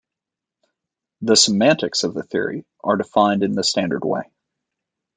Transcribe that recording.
The semantics of the theory are defined in the standard way.